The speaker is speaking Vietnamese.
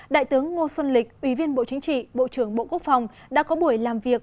đại tướng ngô xuân lịch ủy viên bộ chính trị bộ trưởng bộ quốc phòng đã có buổi làm việc